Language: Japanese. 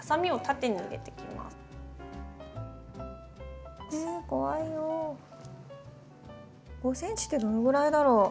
５ｃｍってどのぐらいだろう？